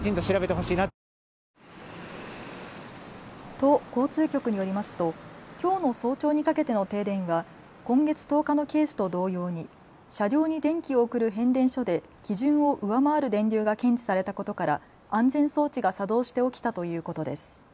都交通局によりますときょうの早朝にかけての停電は今月１０日のケースと同様に車両に電気を送る変電所で基準を上回る電流が検知されたことから安全装置が作動して起きたということです。